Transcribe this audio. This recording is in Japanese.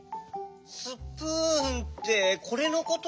スプーンってこれのこと？